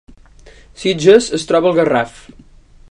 Sitges es troba al Garraf